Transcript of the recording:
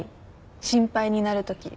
心配になるとき。